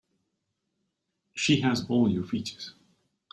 She has all your features.